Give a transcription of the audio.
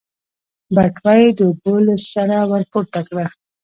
بټوه يې د اوبو له سره ورپورته کړه.